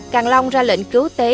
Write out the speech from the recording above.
càng long ra lệnh cứu tế